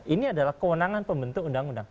ini adalah kewenangan pembentuk undang undang